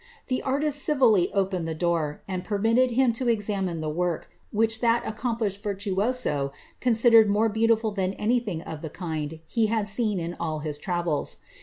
The artist civilly opened the* door, and annitted him to examine the work, which that accomplished virtuoso onsidered more beautiful than anything of the kind he had seen in all 10 travels.